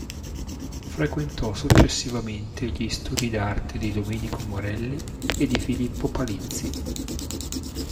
Frequentò successivamente gli studi d'arte di Domenico Morelli e di Filippo Palizzi.